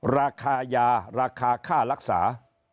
ราคายาราคาค่ารักษา